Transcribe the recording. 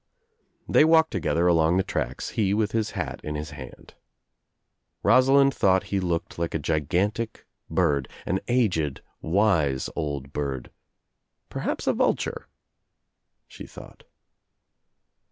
They walked together along the tracks he with his hat in his hand. Rosalind thought he looked like a I gigantic bird, an aged wise old bird, "perhaps a vul ture" she thought.